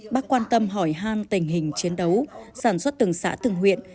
bác quan tâm hỏi hang tình hình chiến đấu sản xuất từng xã từng huyện